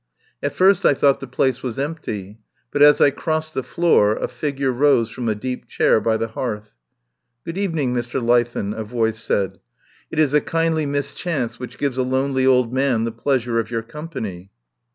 At first I thought the place was empty, but as I crossed the floor a figure rose from a deep chair by the hearth. "Good evening, Mr. Leithen," a voice said. "It is a kindly mischance which gives a lonely old man the pleasure of your company."